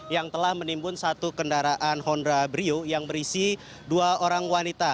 yang telah menimbun satu kendaraan honda brio yang berisi dua orang wanita